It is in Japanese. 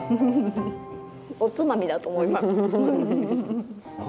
フフフおつまみだと思います。